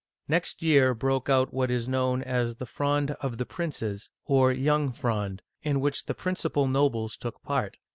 Next year broke out what is known as the Fronde of the Princes, or Young Fronde, in which the principal nobles took part.